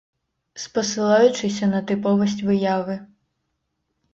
Спасылаючыся на тыповасць выявы.